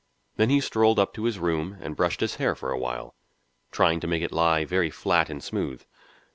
Then he strolled up to his room, and brushed his hair for a while, trying to make it lie very flat and smooth.